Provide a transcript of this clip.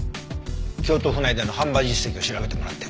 京都府内での販売実績を調べてもらって。